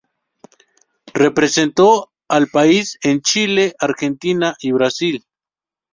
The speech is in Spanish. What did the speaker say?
Representó al país en Chile, Argentina y Brasil.